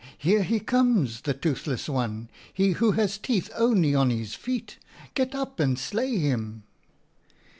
Here he comes, the Toothless One! He who has teeth only on his feet! Get up and slay him.'